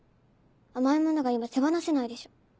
甘いものが今手放せないでしょ？